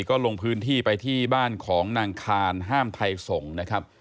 ก็ลงพื้นที่ไปที่บ้านของนางคานห้ามไทยส่งนะครับ